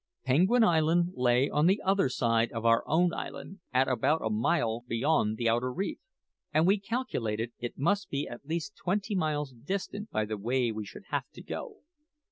Penguin Island lay on the other side of our own island, at about a mile beyond the outer reef, and we calculated that it must be at least twenty miles distant by the way we should have to go.